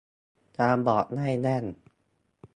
ตาบอดได้แว่น